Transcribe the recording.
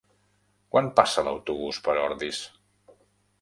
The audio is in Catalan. Quan passa l'autobús per Ordis?